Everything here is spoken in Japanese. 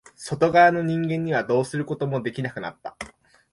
外側の人間にはどうすることもできなくなった。